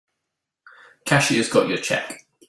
Cashier's got your check.